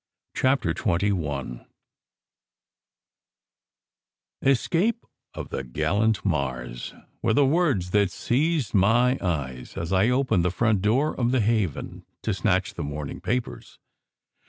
CHAPTER XXI ESCAPE OF THE GALLANT MARS," were the words that seized my eyes as I opened the front door of "The Haven" to snatch the morning papers.